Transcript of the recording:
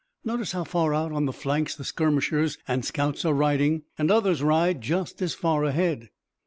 Notice how far out on the flanks the skirmishers and scouts are riding, and others ride just as far ahead."